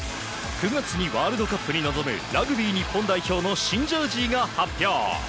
９月にワールドカップに臨むラグビー日本代表の新ジャージーが発表。